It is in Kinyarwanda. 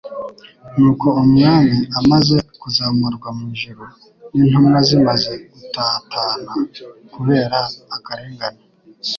Nuko Umwami amaze kuzamurwa mu ijuru n'intumwa zimaze gutatana kubera akarengane,